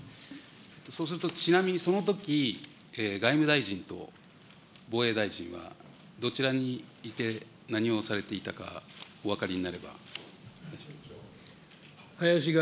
そうすると、ちなみにそのとき、外務大臣と防衛大臣はどちらにいて、何をされていたか、お分かりになれば。